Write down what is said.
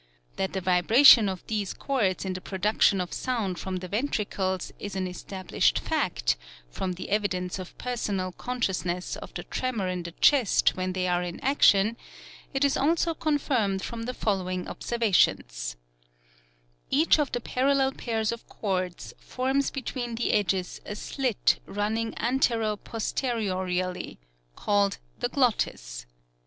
That the vibration of these cords in the production of sound from the ventricles is an established fact, from the evidence of personal consciousness of the tremor in the chest when they are in action, is also confirmed from the follow ing observations :" Each of the parallel pairs of cords forms be tween the edges a slit running antero posteriorly (called the glottis).